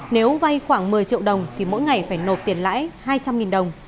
nếu vay khoảng một mươi triệu đồng thì mỗi ngày phải nộp tiền lãi hai trăm linh đồng